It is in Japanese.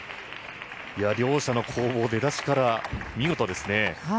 両者の攻防、出だしから見事ですね。